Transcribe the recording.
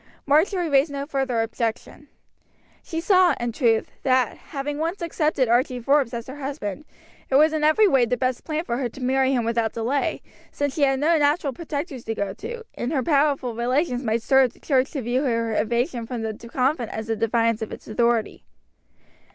Marjory raised no further objection. She saw, in truth, that, having once accepted Archie Forbes as her husband, it was in every way the best plan for her to marry him without delay, since she had no natural protectors to go to, and her powerful relations might stir up the church to view her evasion from the convent as a defiance of its authority.